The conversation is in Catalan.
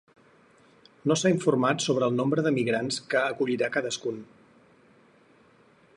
No s’ha informat sobre el nombre de migrants que acollirà cadascun.